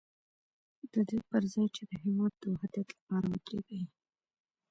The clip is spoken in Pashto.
د دې پر ځای چې د هېواد د وحدت لپاره ودرېږي.